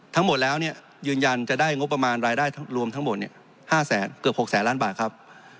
ทั้งหมดแล้วยืนยันจะได้งบประมาณรายได้รวมทั้งหมด๕เกือบ๖แสนล้านบาทครับ